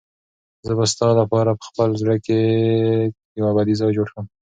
زه به ستا لپاره په خپل زړه کې یو ابدي ځای جوړ کړم.